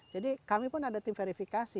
jadi kami pun ada tim verifikasi